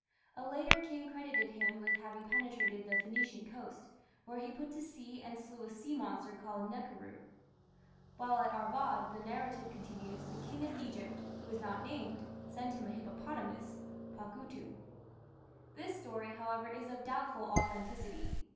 A later king credited him with having penetrated to the Phoenician coast, where he put to sea and slew a sea monster called the "nakhiru". While at Arvad, the narrative continues, the King of Egypt, who is not named, sent him a hippopotamus (pagutu). This story, however, is of doubtful authenticity.